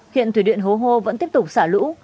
hiện thủy điện hố hô vẫn tiếp tục xả lũ